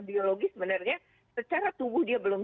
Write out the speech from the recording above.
biologis sebenarnya secara tubuh dia belum